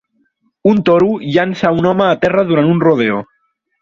Un toro llança a un home a terra durant un rodeo.